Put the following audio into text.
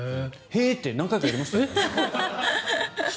へーって何回かやりましたよ。